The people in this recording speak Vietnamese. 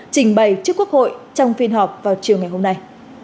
trình bày trước quốc hội trong phiên họp vào chiều ngày hôm nay